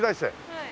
はい。